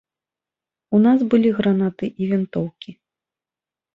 У нас былі гранаты і вінтоўкі.